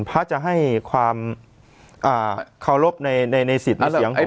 พระจะให้ความเขารพในสิทธิ์เสียง